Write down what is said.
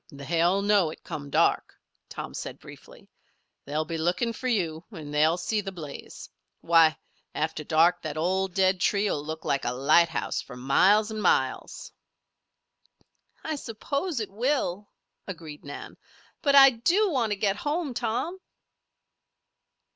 "They'll know it, come dark," Tom said briefly. "They'll be looking for you and they'll see the blaze. Why! After dark that old dead tree will look like a lighthouse for miles 'n' miles!" "I suppose it will," agreed Nan. "But I do want to get home, Tom."